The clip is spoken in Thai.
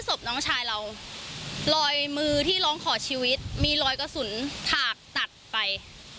ศพน้องชายเราลอยมือที่ร้องขอชีวิตมีรอยกระสุนถากตัดไป